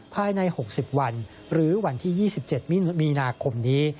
ภายใน๖๐วันหรือวันที่๒๗มีนาคมนี้